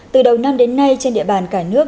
từ đầu năm đến nay trên địa bàn cả nước